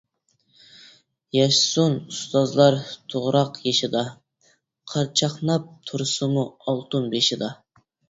ياشىسۇن ئۇستازلار توغراق يېشىدا، قار چاقناپ تۇرسىمۇ ئالتۇن بېشىدا.